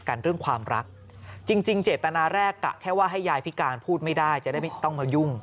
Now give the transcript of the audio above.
แค่ว่าให้ยายพิการพูดไม่ได้จะได้ไม่ต้องมายุ่ง